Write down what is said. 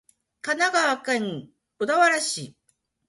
神奈川県小田原市